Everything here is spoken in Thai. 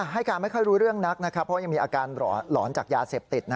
ให้การไม่ค่อยรู้เรื่องนักเพราะยังมีอาการหลอนจากยาเสพติด